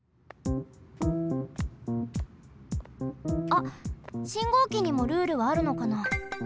あっ信号機にもルールはあるのかな？